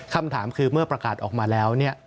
คำถามคือเมื่อประกาศออกมาแล้ว